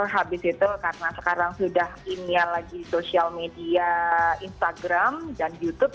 habis itu karena sekarang sudah imiah lagi social media instagram dan youtube